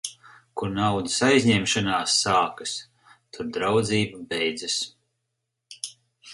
Kur naudas aizņemšanās sākas, tur draudzība beidzas.